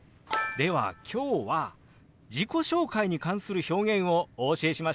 では今日は自己紹介に関する表現をお教えしましょう！